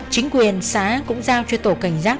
chính quyền xã cũng giao cho tổ cảnh giác